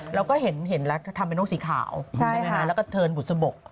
แล้วก็เห็นแล้วทำเป็นนกสีขาวแล้วก็เทิร์นบุตรสมบก